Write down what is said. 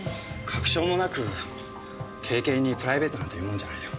確証もなく軽々にプライベートなんて言うもんじゃないよ。